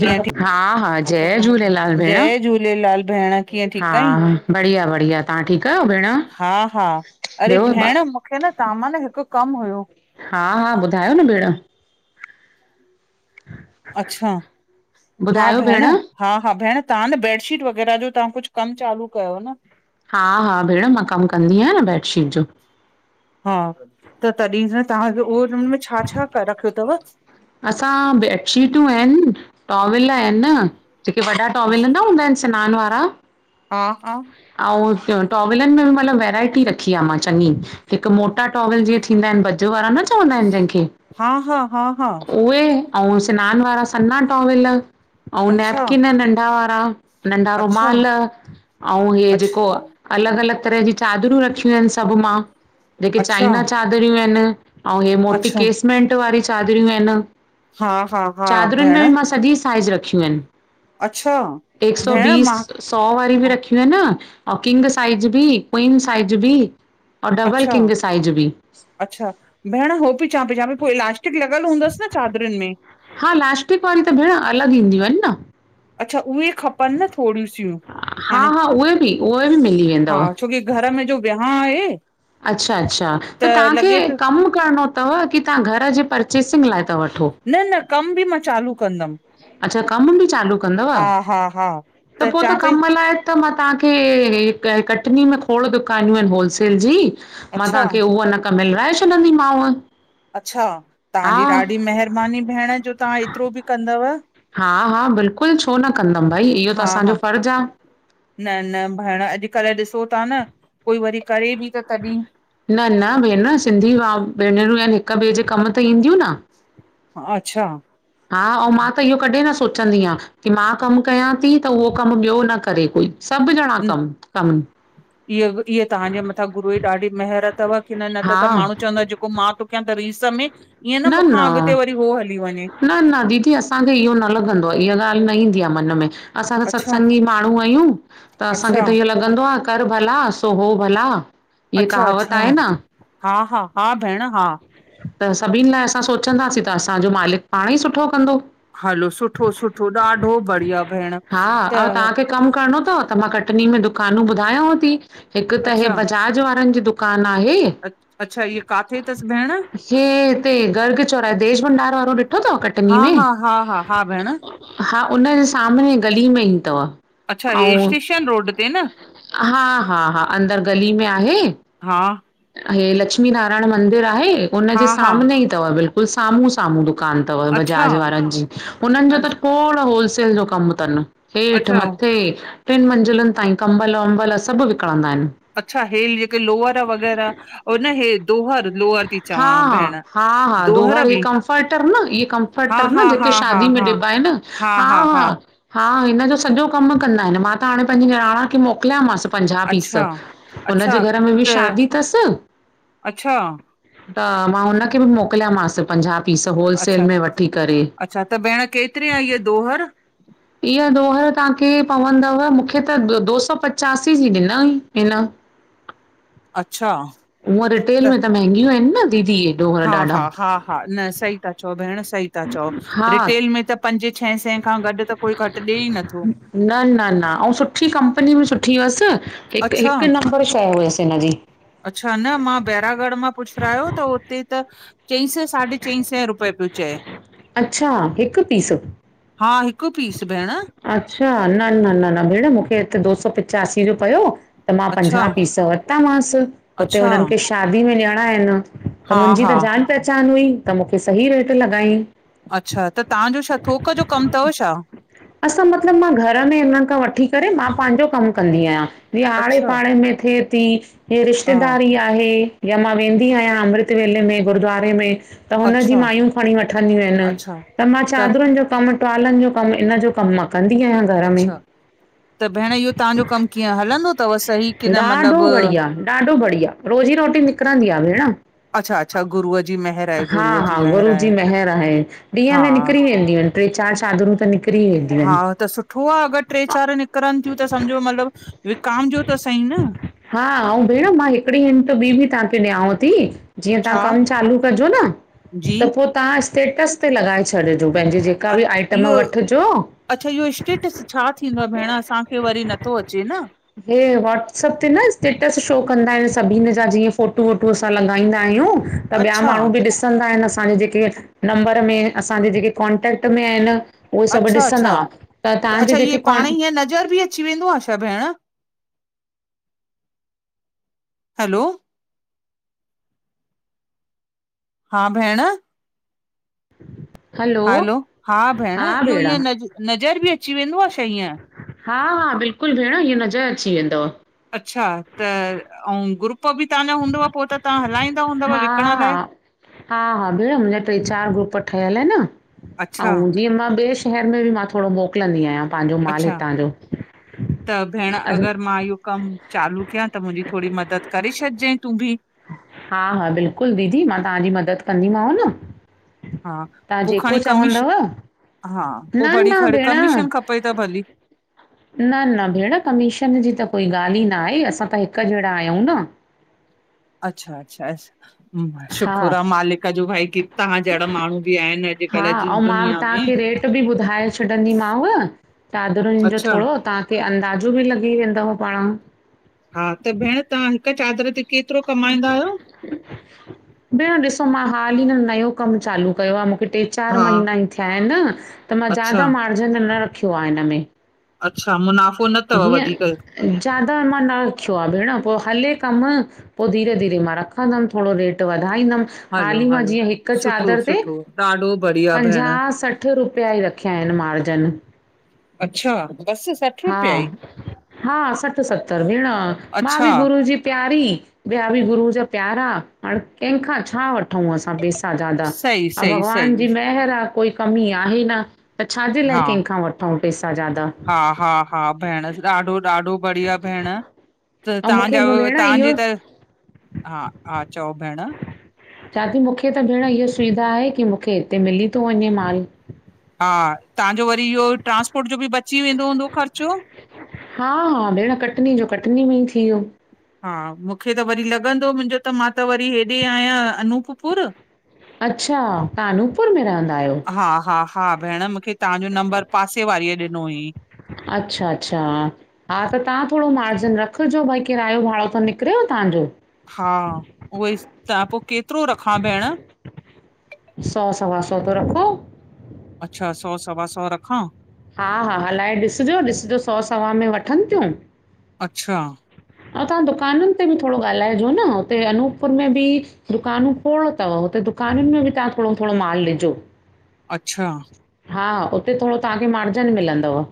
कीअं हा, जय झूलेलाल। अ भेण, जय झूलेलाल भेण कीअं हा ठीकु आहीं? बढ़िया- बढ़िया, तव्हां ठीकु आहियो भेण? हा हा अरे ॿियो ब भेण, मूंखे न तव्हां मां न हिकु कमु हुयो। हा- हा ॿुधायो न, भेण। अच्छा, हा भेण। हा- हा भेण, तव्हां न बेडशीट वग़ैरह जो तव्हां कुझु कमु चालू कयो न? हा- हा भेण, मां कमु कंदी आहियां न बैेडशीट जो। हा त तॾहिं खां, तव्हांखे, उहो हुन में छा- छा रखियो अथव? मां, बेडशीटूं आहिनि, टॉवल आहिनि, जेके वॾा टॉवल अथव? न हं, हूंदा आहिनि सिनान वारा? हा- हा। ऐं टॉवलनि में बि मतलबु वैरायटी रखी आहे मां चङी। हिकु मोटा टॉवल जीअं थींदा आहिनि, बजे वारा न चवंदा आहिनि जंहिंखे? हा, हा, हा -हा। उहे अऊं सिनान वारा सना टॉवल, अऊं अच्छा नेपकिन नंढा वारा। नंढा अच्छा रोमाल अउं हीयो अच्छा जेको अलग अलग तरह जी चादरूं रखिय सभ मां जेके अच्छा चाइनां चादरूं आहिन अउं हे मोटी अच्छा केस मेंट वारी चादरूं आहिन हा हा हा चादरुन भेण में मां सॼी साइज़ रखियूं आहिन। अच्छा एक सौ भेण बीस मां सौ वारी बि रखियूं आहिन अउं किंग साइज भी क्वीन साइज भी। अउं डबल अच्छा किंग साइज भी। अच्छा भेण हो पई चां पई चां पेई पो इलास्टिक लॻयल हूंदस न चादरुन में? हा लास्टिक वारी त भेण अलग ईंदियूं आहिन न। अच्छा उहे खपनि न थोड़ीयूं सयूं। हा हा उहे भी उहे बि मिली हा वेंदव। छोकी घर में जो विया आहे। अच्छा अच्छा त तव्हांखे लॻे पियो कम करणो तव की तव्हां घर जी परचेसिंग लाए था वठो? न न कम बि मां चालू कंदम। अच्छा कम बि चालू कंदव हा हा त पो त चवां पई कम लाए त मां तव्हांखे कटनी में खोड़ दुकानियूं आहिन होलसेल जी मां अच्छा तव्हांखे उह न क मिलराए छॾदी मांव। अच्छा तव्हांजी ॾाढी महरबानी भेण जो तव्हां एतिरो बि कंदव। हा हा बिल्कुल छो न कंदम भई इहो त हा हा असांजो फर्ज़ आ। न न भेण अॼकल्ह ॾिसो ता न कोई वरी करे बि त तॾहिं। न न भेण सिंधी भ भेनरूं आहिन हिक ॿिए जे कम त ईंदियूं न। अच्छा हा अउं मां त इहो कॾहिं न सोचंदी आहियां की मां कम कयां ती त उहो कम ॿियो न करे कोई। सभ ॼणा [unintelligible] इअ ईअ तव्हांजे मथां गुरू ई ॾाढी महर तव की न हा त माण्हू चवंदा मां तो कयां त रीस में ईअं न मूंखां अॻते वरी उहो हली वञे! न न दीदी असांखे इहो न लॻंदो आ इहा ॻाल्हि न ईंदी आ मन में। असां त अच्छा सत्संगी माण्हू आहियूं त असांखे अच्छा त इहो लॻंदो आ कर भला सो हो भला। इहा अच्छा कहावत अच्छा आहे न हा हा हा भेण हा त सभिन ला असां सोचंदासीं त असांजो मालिक पाण ई सुठो कंदो हलो सुठो सुठो ॾाढो बढ़िया भेण हा ऐं त तव्हांखे कमु करणो तव त मां कटनी में दुकानूं ॿुधायांव ती। हिक त हे अच्छा बजाज वारन जी दुकान आहे। अच्छा हिय काथे तस भेण? हे हिते गर्ग चोराए देश भंडार वारो ॾिठो तव कटनी हा में? हा हा हा हा भेण हा उनजे सामने गली में ई तव। अच्छा हे अउं स्टेशन रोड ते न हा हा हा अंदर गली में आहे। हा हे लक्ष्मी नारायण मंदिर आहे हा उनजे हा सामने ई तव बिल्कुल साम्हूं साम्हूं दुकान। तव अच्छा बजाज वारन जी हुनन जो त अच्छा कोड़ होलसेल जो कम तन। हेठ अच्छा मथे टिन मंज़िलुन ताईं कंबल वंबल सभ विकणंदा आहिन। अच्छा हेे लेके लोअर हे दोहर लोहर थी हा, चवां हा, भेण हा, हा दोहर हे बि कमफर्टर न इ हा कमफर्टर न हा हा जेके हा शादी में हा ॾिबा एन हा हा हा हिनजो सॼो कम कंदा आहिन मां त हाणे पंहिंजी निराण खे मोकलयामांस। पंजाह पीस अच्छा हुनजे अच्छा घर में बि त शादी थस। अच्छा त मां हुनखे बि मोकिलयामांस पंजाह पीस होलसेल में वठी करे। छा त भेण केतरी आहे दोहर? इहा दोहर तांखे पवंदव मूंखे त दो सौ पचासी जी ॾिन हिन। अच्छा। हूअं रिटेल में त मेहेंगियूं आहिन न दीदी ए। हा हा हा हा न सही ता चओ भेण सही था चओ हा रिटेल में त। पंज छह सै खां गॾु त कोई घट ॾिए ई नथो। न न न आऊ सुठी कंपनी बि सुठी हुयस हिक, अच्छा हिक नम्बर शइ हुयस हिनजी। अच्छा न मां बैरागढ़ मां पुच्चरायो त हुते त। चई सें साढे चई सें रुपए पयो चय। अच्छा हिक पीस। हा हिकु पीस भेण। अच्छा न न न न भेण मूंखे हिते दो सौ पिचासी जो पियो। त मां अच्छा, पंजाह पीस वरतामांस हुते अच्छा, हुनन खे शादी में ॾियणा आहिन। त हा, मुंहिंजी हा, त जान पहचान हुई त मूंखे सही रेट लॻायांइ। अच्छा त तांजो छा थोक जो कम थव छा? असां मतलब मां घर में हिनन खां वठी करे मां पंहिंजो कम कंदी आहियां। जीअं आड़े अच्छा, पाड़े में थिए ती इीअ हा, रिश्तेदारी आहे। या मां वेंदी आहियां अमृत वेले में गुरुद्वारे में। त हुनजी अच्छा, माइयूं खणी वठंदियूं आहिन अच्छा त मां चादरुन जो कम टुवालन जो कम इन जो। कम माँ कंदी आयांन। अच्छा त भेण इहो तांजो कम कीअं हलंदो थव सही की न ॾाढो मतलब। बढ़िया ॾाढो बढ़िया। रोज़ी रोटी निकरण ॾीआ भेण। अच्छा, अच्छा गुरूअ जी मेहर आहे, हा गुरूअ जी हा मेहर गुरू जी आहे, मेंहेर आहे ॾींहं हा में निकरी वेंदियूंन। ट्रे चार चादरूं त निकरी वयन। हा त सुठो आ अगर ट्रे चार निकरनतीयूं त सम्झो मतलब वि कामजो त सही न। हा आऊ भेण मां हिकड़ी हिंट ॿीं बि तांखे ॾियांव थी। जीअं तां छा? कम चालू कजो न जी त पो तां स्टेटस ते लॻाए छॾजो पंहिंजे जेक। अ काबि आइटम इहो वठजो। अच्छा इहो स्टेटस छा थींदो आ? भेण असांखे वरी नथो अचे न। हे वॉट्सअप। ते न स्टेटस शो कंदा आहयूं सभिन जा जीअं फोटू वोटू असां लॻाईंदायूं। त ॿिया अच्छा, माण्हू बि ॾिसंदा आहिन असांजे जेके नंबर में असांजी जेके कॉन्टेक्ट में आहिन। उहे सभ अच्छा, ॾिसंदा अच्छा त तांजी अच्छा इहे जेकी पाण कॉन। ई नज़र बि अच। अची वेंदो आ छा भेण? हलो। हा भेण। हलो हा भेण इहो ईअं नज नज़र बि अची वेंदो आ छा ईअं। हा हा बिल्कुल भेण इह नज़र अची वेंदव। अच्छा त आऊ ग्रुप बि तांजा हूंदो पो त। त हलाईंदा हूं। हा-हा, हा-हा भेण मुहिंजा ट्रे-चार ग्रुप ठहयल ऐंन अच्छा अऊं जीअं मां ॿे शहेर में बि मां थोड़ो मो मोकलंदी आयां पान्ज़ो माल अच्छा हितां जो त भेण अस अगरि मां इयो कम चालू कयां त मुहिंजी थोड़ी मदत करे छॾ जाएं तू भी। हा-हा बिल्कुल दीदी मां तहांजी मदत कंदी मांव न! हा! तव्हां पो जेको खणी कमीश, चवंदव हा! पो न, भणी न खण भेण कमीशन खप्पई त भली। न, न भेण कमीशन जी त कोई गाल ही न आहें, असां त हिक जेड़ा आहयू न। अच्छा-अच्छा, अच्छा-अच्छा हा, शुखुर आ मालिक जो भाई की तहां जेड़ा माणू बि आहिन अॼ हा अऊं मां तहांखे रेट बि बुधाए छॾंदी मांव। चादरून जो अच्छा थोड़ो, तहांखे अंदाज़ो बि लगी वेंदव पाण। हां! त भेण तहां हिक चादर ते केतरो कमाईंदा आयो? भेण ॾिसो मां हाली न नयो कम चालू कयो आह मूंखे टे चार हा महीना ई थ्या आऐंन त मां अच्छा ज्यादा मार्ज़न न रखयो आ हिन में। अच्छा मुनाफ़ो न तव वधिक। जीअं ज्यादा मां न रखयो आ भेण! पो हले कम पो धीरे-धीरे मां रख दम थोड़ो रेट वधाईंदम, हलो हाली मां हलो जीअ ह़िक सुठो चादर ते सुठो ॾाढो बढ़ी पंन्झा, सठ रुपया ई रखया आहेन मार्ज़न। अच्छा! बस् सठ हा, रुपया ई हां सठ-सत्तर भेण मां अच्छा बि गुरू जी प्यारी ॿया बि गुरूअ जा प्यारा, हाणे कंहेखां छा वठू असां पेस सा ज़ादा, सही अउ सही भगवान सही जी महेर आ कोई कमी आहे न। त छाजे लाय केंखा वठूं पैसा ज़्यादा। हा-हा भेणस! ॾाढो-ॾाढो बढ़िया भेण। त ऐं मूंखे तहांजा बि अव भेण इहो तहांजे त, हा-हा चओ भेण! चा थी मूखे त भेण इह सुविधा आहे की मूखे हिते मिली थो वञे माल। हा! तहांजो वरी इओ ट्रांस्पोर्ट जो बि बची वेंदो हूंदो ख़र्चो। हा‌ं-हां भेण कटनी जो कटनी में ई थी वियो। हा मूंखे त वरी लग़दो मुहिंजो त, मां त वरी हेॾे आयां अनूपपुर। अच्छा! तहां अनूपपुर में रहंदा आहयो। हा-हा-हा भेण, मूंखे तहांजो नंबर पासे वारीअ ॾिनो हुईं। अच्छा-अच्छा हां। हां त तहां थोड़ो मार्ज़िन रखजो भई! किरायो भाड़ो त निकरेव तहांजो। हा उहोईस, ता पो केतरो रखा भेण! सौ सवा सो त रखो। अच्छा, सौ सवा सो रखां। हाहा हलाए ॾिसजो, ॾिसजो सौ सवा में वठन तियूं। अच्छा। अउ तहां दुकानन ते बि थोड़ो गालाऐ जो न हुते अनूपपुर में बि दुकानूं खोड़ तव हुते दुकानिनयूं में बि तहां थोड़ो-थोड़ो माल ॾिजो। अच्छा। हा! उते थोड़ो तहांखे मार्ज़न मिलंदव।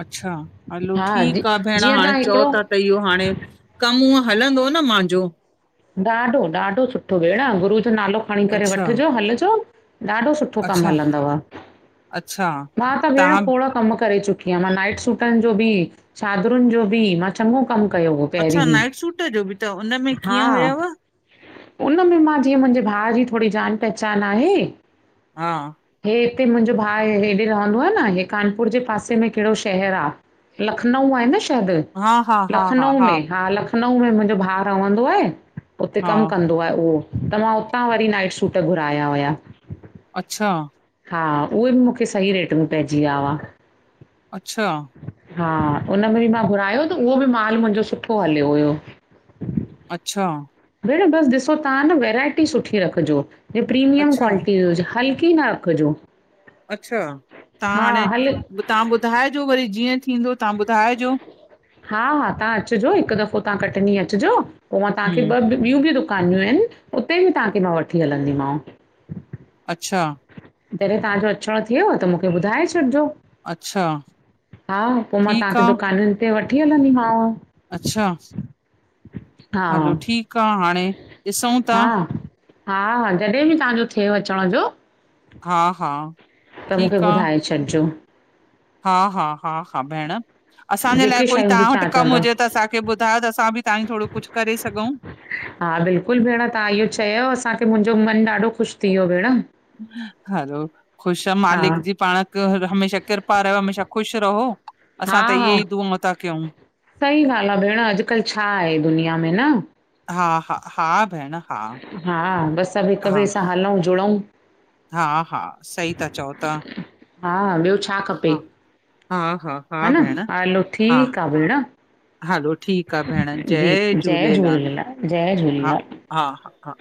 अच्छा, हलो हा जी ठीक आ भेण जीअं हाणे तव्हां चओ हिकिड़ो ता त इहो हाणे कम हूअ हलंदो न मांजो। ॾाढो ॾाढो सुठो भेण गुरू जो नालो खणी करे अच्छा वठजो हलजो ॾाढो सुठो। सुठो कम अच्छा हलंदव अच्छा मां त भेण तव्हां खोड़ कम करे चुकी आ मां नाइट सूटन जो भी चादरुन जो बि मां चॻो कम अच्छा नाइट सूट जो बि त हुन में हा उनमें मां जीअं मुंहिंजे भा जी थोड़ी जान पहचान आहे। हा हे हिते मुंहिंजो भा हेॾे रहंदो आहे न इ कानपुर जे पासे में कहिड़ो शहर आ। लखनऊ आहे न शायद हा हा हा हा लखनऊ में हा लखनऊ लखनऊ में मुंहिंजो भा रहंदो आहे उते हा कम कंद तो उहो त मां उतां वरी नाइट सूट घुराया हुया। अच्छा हा उहे बि मूंखे सही रेट में पइजी विया हुआ। अच्छा हा उनमें बि मां घुरायो त उहो बि माल मुंहिंजो सुठो हलियो हुयो। अच्छा भेण बस ॾिसो तव्हां न वैरायटी सुठी रखजो ह प्रीमियम अच्छा क्वालिटी हुजे हल्की न कजो अच्छा तव्हां हाणे हल तव्हां ॿुधाइजो वरी जीअं थींदो तव्हां ॿुधाइजो। हा हा तव्हां अचजो हिक दफ़ो तव्हां कटनी अचजो पो मां तव्हांखे हम्म ॿ ॿियूं बि दुकानियूं आहिन उते बि तव्हांखे मां वठी हलंदीमांव। अच्छा जॾहिं तव्हांजो अचण थेव त मूंखे ॿुधाए छॾजो। अच्छा हा पो मां ठीकु तव्हांखे आ दुकानन ते वठी हलंदीमाव। अच्छा हा हलो ठीक आहे हाणे ॾिसूं था। हा हा हा जॾहिं बि तव्हांजो थे अचण जो। हा हा त मूंखे ठीकु आ ॿुधाए छॾजो। हा हा हा हा भेण असांजे लाएक जेके कोई शयूं बि तव्हां वट कम चवंदव हुजे त असां तखे ॿुधायो त असां बि तव्हांं थोड़ो कुछ करे सघूं। हा बिल्कुल भेण तव्हां इहो चयो असांखे मुंहिंजो मन ॾाढो ख़ुश थी वियो भेण। हलो ख़ुशा हा मालिक जी पाण हमेशा कृपा रहेव हमेशा ख़ुश रहो असां हा त हा इहे ई दुआं ता कयूं। सही ॻाल्हि आ भेण अॼकल्ह छा आहे दुनिया में न। हा हा हा भेण। हा। हा बस सभ हिक हा ॿिए सां हलउं जुड़उं। हा हा सही ता चओ तां। हा ॿियो छा खपे हा हा हा ह न भेण हलो हा ठीक आहे भेण। हलो ठीकु आ भेण जी जय झूलेलाल जय हा झूलेलाल हा हा हा